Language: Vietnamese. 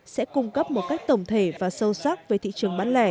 sẽ cung cấp một cách tổng thống